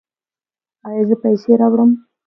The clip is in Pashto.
ایا زه پیسې راوړم؟